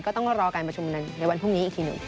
ก็ต้องรอการประชุมในวันพรุ่งนี้อีกทีหนึ่ง